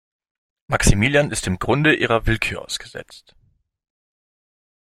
Maximilian ist im Grunde ihrer Willkür ausgesetzt.